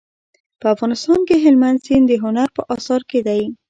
په افغانستان کې هلمند سیند د هنر په اثارو کې دی.